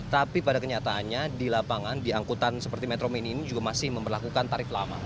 tapi pada kenyataannya di lapangan di angkutan seperti metro mini ini juga masih memperlakukan tarif lama